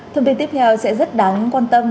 thông tin tiếp theo sẽ rất đáng quan tâm